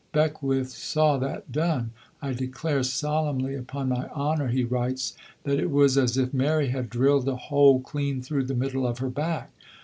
Beckwith saw that done. "I declare solemnly upon my honour," he writes, "that it was as if Mary had drilled a hole clean through the middle of her back.